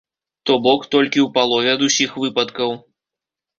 То бок, толькі ў палове ад усіх выпадкаў.